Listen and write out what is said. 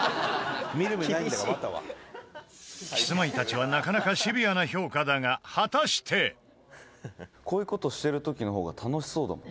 キスマイたちはなかなかシビアな評価だが果たして藤ヶ谷：こういう事をしてる時の方が楽しそうだもん。